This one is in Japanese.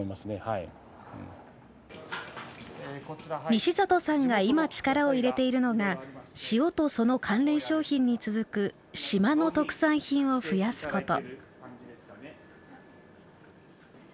西里さんが今力を入れているのが塩とその関連商品に続く島の特産品を増やすこと。